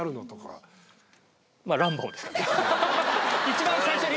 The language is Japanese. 一番最初に。